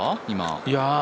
今。